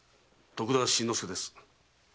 徳田新之助です。